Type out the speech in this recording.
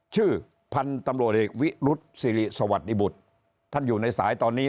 ชื่อพันธุ์ตำรวจเอกวิรุษศิริสวัสดิบุตรท่านอยู่ในสายตอนนี้